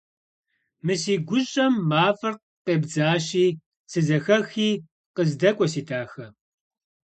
Мы си гущӏэм мафӏэр къебдзащи, сызэхэхи къыздэкӏуэ, си дахэ!